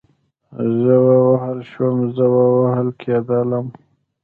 زه ووهل شوم, زه وهل کېدلم